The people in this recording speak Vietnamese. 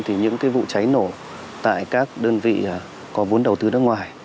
thì những vụ cháy nổ tại các đơn vị có vốn đầu tư nước ngoài